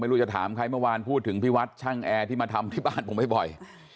ไม่รู้จะถามใครเมื่อวานพูดถึงพี่วัดช่างแอร์ที่มาทำที่บ้านผมบ่อย